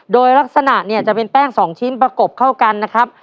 โดยลักษณะเนี่ยจะเป็นแป้ง๒ชิ้นประกบเข้ากันนะครับ